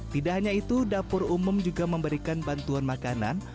tidak hanya itu dapur umum juga memberikan bantuan makanan